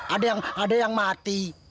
ada yang ada yang mati